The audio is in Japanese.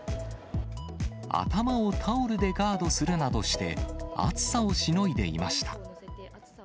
頭をタオルでガードするなどして、暑さをしのいでいました。